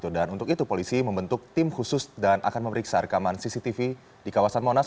dan untuk itu polisi membentuk tim khusus dan akan memeriksa rekaman cctv di kawasan monas